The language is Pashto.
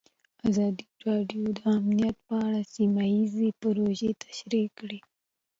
ازادي راډیو د امنیت په اړه سیمه ییزې پروژې تشریح کړې.